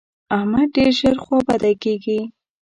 احمد ډېر ژر خوابدی کېږي.